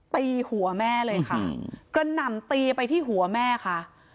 ตีหัวแม่เลยค่ะกระหน่ำตีไปที่หัวแม่ค่ะ